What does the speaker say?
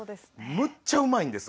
むっちゃうまいんです。